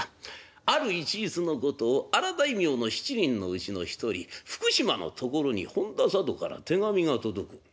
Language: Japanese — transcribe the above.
ある一日のこと荒大名の７人のうちの一人福島のところに本多佐渡から手紙が届く。